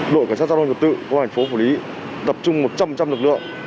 đội cảnh sát giao thông nhật tự của công an tp phủ lý tập trung một trăm linh lực lượng